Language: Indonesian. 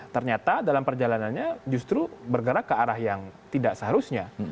ternyata dalam perjalanannya justru bergerak ke arah yang tidak seharusnya